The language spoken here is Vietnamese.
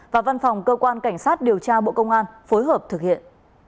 và văn phòng cơ quan cảnh sát điều tra bộ công an phối hợp thực hiện